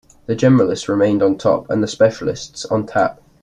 The generalists remained on top, and the specialists on tap.